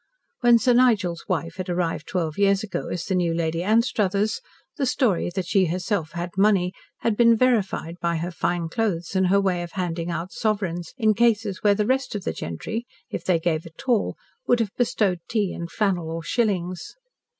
When Sir Nigel's wife had arrived twelve years ago as the new Lady Anstruthers, the story that she herself "had money" had been verified by her fine clothes and her way of handing out sovereigns in cases where the rest of the gentry, if they gave at all, would have bestowed tea and flannel or shillings.